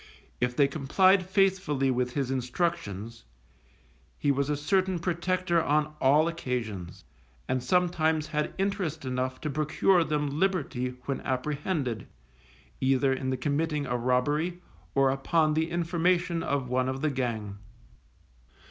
If they complied faithfully with his instructions, he was a certain protector on all occasions, and sometimes had interest enough to procure them liberty when apprehended, either in the committing a robbery, or upon the information of one of the gang.